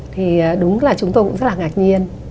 thì đúng là chúng tôi cũng rất là ngạc nhiên